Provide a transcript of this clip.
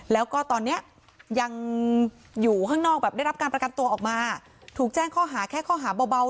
แล้วก็ตอนเนี้ยยังอยู่ข้างนอกแบบได้รับการประกันตัวออกมาถูกแจ้งข้อหาแค่ข้อหาเบา